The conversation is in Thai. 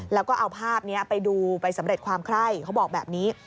แล้วก็เอาภาพนี้ไปดูไปสำเร็จความไคร้เขาบอกแบบนี้